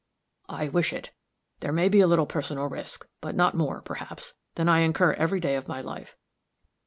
"I wish it. There may be a little personal risk; but not more, perhaps, than I incur every day of my life.